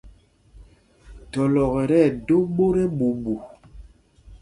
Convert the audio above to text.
Thɔlɔk ɛ tí ɛdō ɓot ɛɓuuɓu.